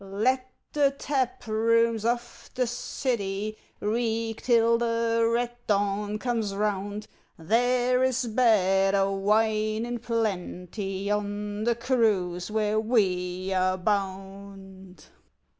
Let the tap rooms of the city Reek till the red dawn comes round. There is better wine in plenty On the cruise where we are bound.